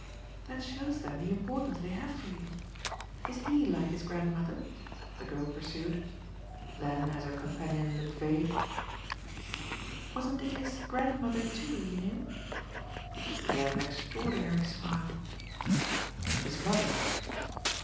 "That shows then the importance they have for you. Is HE like his grandmother?" the girl pursued. Then as her companion looked vague: "Wasn't it his grandmother too you knew?" He had an extraordinary smile. "His mother."